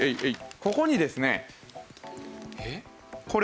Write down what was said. ここにですね。